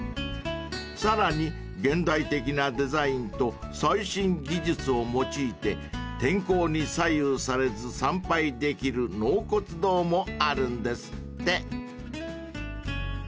［さらに現代的なデザインと最新技術を用いて天候に左右されず参拝できる納骨堂もあるんですって］